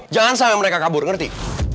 jangan sampai mereka kabur ngerti